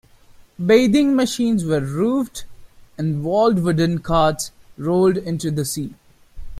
Bathing machines were roofed and walled wooden carts rolled into the sea.